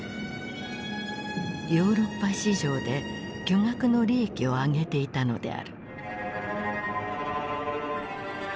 ヨーロッパ市場で巨額の利益を上げていたのである。